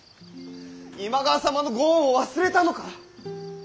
今川様のご恩を忘れたのか！？